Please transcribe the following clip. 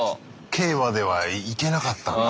Ｋまでは行けなかったんだ。